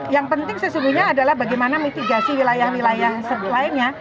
yang penting sesungguhnya adalah bagaimana mitigasi wilayah wilayah lainnya